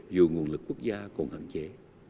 dù nguồn lực quốc gia còn hạn chế